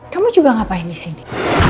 kamu juga ngapain disini